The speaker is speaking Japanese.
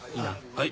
はい。